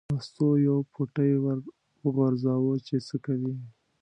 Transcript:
مستو یو پوټی ور وغورځاوه چې څه کوي.